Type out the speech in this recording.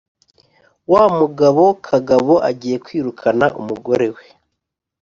Wa mugabo Kagabo agiye kwirukana umugore we